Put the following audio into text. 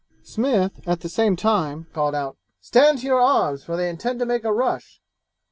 Smith at the same time called out, "Stand to your arms, for they intend to make a rush."